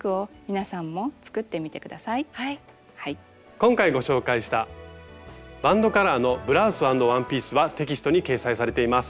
今回ご紹介した「バンドカラーのブラウス＆ワンピース」はテキストに掲載されています。